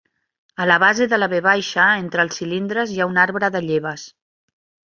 A la base de la V entre els cilindres hi ha un arbre de lleves.